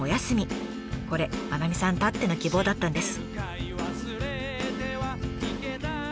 これ真七水さんたっての希望だったんです。